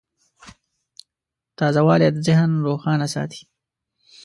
تازهوالی ذهن روښانه ساتي.